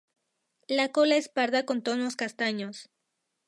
La cola es parda con tonos castaños.